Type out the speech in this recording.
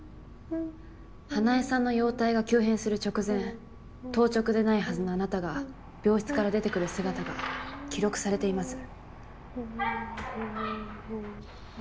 花恵さんの容態が急変する直前当直でないはずのあなたが病室から出てくる姿が記録されています。